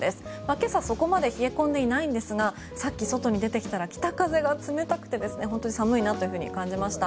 今朝、そこまで冷え込んでいないんですがさっき、外に出てきたら北風が冷たくて寒いなと感じました。